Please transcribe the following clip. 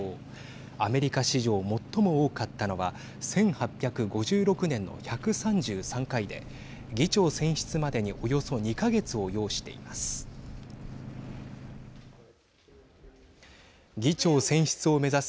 アメリカ史上、最も多かったのは１８５６年の１３３回で議長選出までにおよそ２か月を要しています。